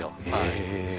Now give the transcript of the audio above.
へえ。